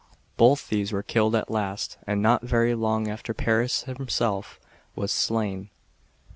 Both these were killed at last, and not very long after Paris himself was slain.